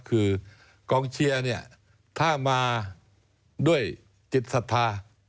คือกองเชียร์ถ้ามาด้วยจิตศัฐรณ์